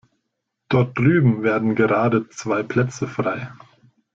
Dort drüben werden gerade zwei Plätze frei.